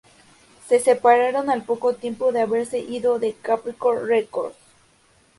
Se separaron al poco tiempo de haberse ido de Capricorn Records.